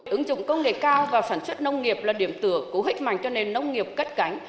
ứng dụng công nghệ cao vào sản xuất nông nghiệp là điểm tựa của huyết mạnh cho nền nông nghiệp kết cảnh